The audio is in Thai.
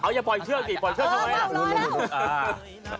เอาอย่าปล่อยเครื่องสิปล่อยเครื่องเข้าไว้อ่ะ